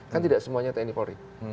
kan tidak semuanya tni polri